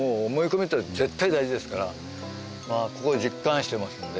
ここで実感してますので。